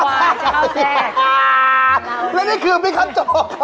แล้วนี่คือมีคำจกครับผม